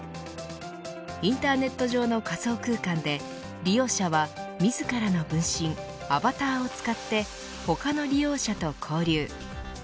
インターネット上の仮想空間で利用者は自らの分身アバターを使って他の利用者と交流。